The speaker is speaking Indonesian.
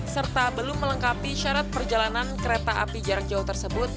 serta belum melengkapi syarat perjalanan kereta api jarak jauh tersebut